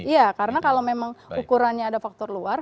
iya karena kalau memang ukurannya ada faktor luar